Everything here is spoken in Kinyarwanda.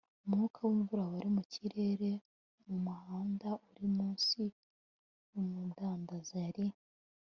umwuka w'imvura wari mu kirere. mu muhanda uri munsi yumudandaza yari